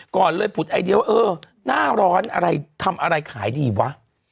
ก่อนเลยผุดไอเดียว่าเออหน้าร้อนอะไรทำอะไรขายดีวะ